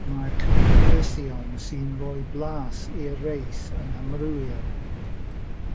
Mae'r cynhwysion sy'n rhoi blas i'r reis yn amrywio.